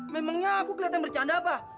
memangnya aku kelihatan bercanda pak